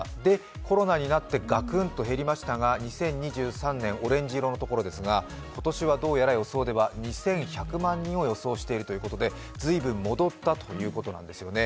コロナになってガクンと減りましたが、２０１３年、オレンジ色のところですが、今年はどうやら予想では２１００万人を予想しているということで随分戻ったということなんですよね。